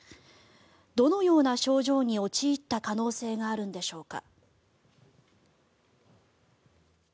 どのような症状に陥った可能性があるんでしょうか。